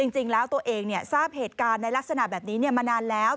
จริงแล้วตัวเองทราบเหตุการณ์ในลักษณะแบบนี้มานานแล้ว